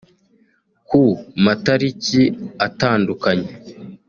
ku matariki atandukanye